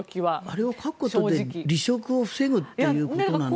あれを書くことで離職を防ぐということなのかしら。